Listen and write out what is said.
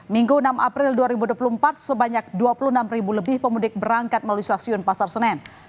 minggu enam april dua ribu dua puluh empat sebanyak dua puluh enam ribu lebih pemudik berangkat melalui stasiun pasar senen